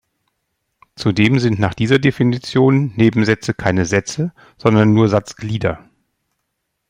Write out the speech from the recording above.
Zudem sind nach dieser Definition Nebensätze keine Sätze, sondern nur Satzglieder.